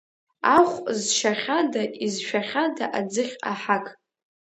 Ахә зшьахьада, изшәахьада аӡыхь Аҳақ.